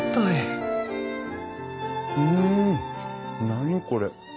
何これ！